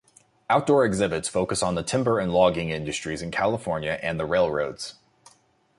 Outdoor exhibits focus on the timber and logging industries in California and the railroads.